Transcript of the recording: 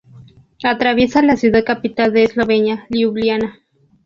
Atraviesa la ciudad capital de Eslovenia, Liubliana.